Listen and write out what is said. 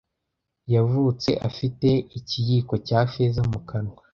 Yavutse afite ikiyiko cya feza mu kanwa.